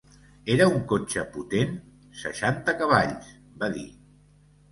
"Era un cotxe potent?" "Seixanta cavalls", va dir.